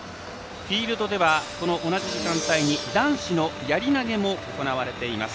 フィールドでは同じ時間帯に男子やり投げも行われています。